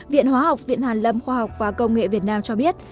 viện hóa học viện hàn lâm khoa học và công nghệ việt nam cho biết